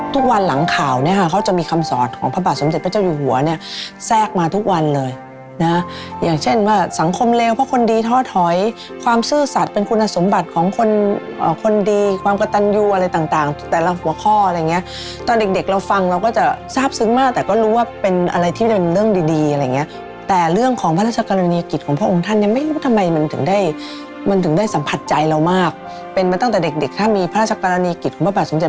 ทุกวันหลังข่าวเนี่ยเขาจะมีคำสอดของพระบาทสมเจ็ดพระเจ้าอยู่หัวเนี่ยแทรกมาทุกวันเลยนะอย่างเช่นว่าสังคมเลวเพราะคนดีท้อถอยความสื่อสัตว์เป็นคุณสมบัติของคนคนดีความกระตันอยู่อะไรต่างแต่ละหัวข้ออะไรเงี้ยตอนเด็กเราฟังเราก็จะทราบซึ้งมากแต่ก็รู้ว่าเป็นอะไรที่เป็นเรื่องดีอะไรเงี้ยแต่เรื่องของพระราช